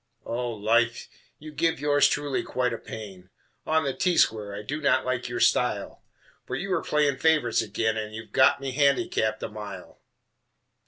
O Life! you give Yours Truly quite a pain. On the T square I do not like your style; For you are playing favorites again And you have got me handicapped a mile.